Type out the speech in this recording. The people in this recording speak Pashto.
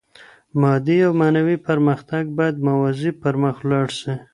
مادي او معنوي پرمختګ بايد موازي پرمخ لاړ سي.